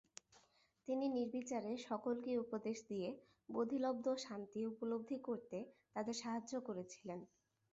তিনি নির্বিচারে সকলকেই উপদেশ দিয়ে বোধিলব্ধ শান্তি উপলব্ধি করতে তাদের সাহায্য করেছিলেন।